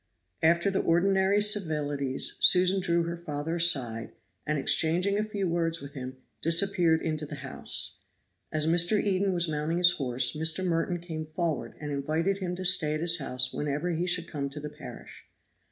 After the ordinary civilities Susan drew her father aside, and, exchanging a few words with him, disappeared into the house. As Mr. Eden was mounting his horse, Mr. Merton came forward and invited him to stay at his house whenever he should come to the parish.